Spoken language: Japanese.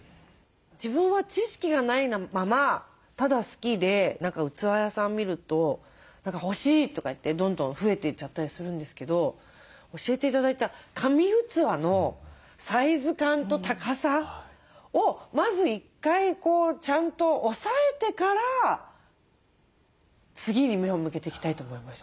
自分は知識がないままただ好きで器屋さん見ると欲しいとかいってどんどん増えていっちゃったりするんですけど教えて頂いた神器のサイズ感と高さをまず１回こうちゃんと押さえてから次に目を向けていきたいと思いました。